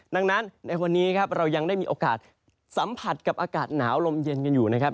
ดังนั้นในวันนี้ครับเรายังได้มีโอกาสสัมผัสกับอากาศหนาวลมเย็นกันอยู่นะครับ